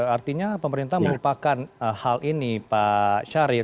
artinya pemerintah merupakan hal ini pak syahrir